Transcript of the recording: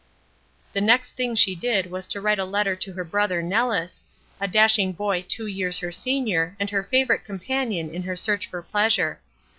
The next thing she did was to write a letter to her brother Nellis, a dashing boy two years her senior and her favorite companion in her search for pleasure.